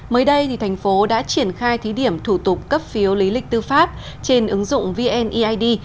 mới đây thành phố đã triển khai thí điểm thủ tục cấp phiếu lý lịch tư pháp trên ứng dụng vneid